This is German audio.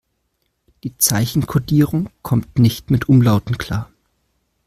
Die Zeichenkodierung kommt nicht mit Umlauten klar.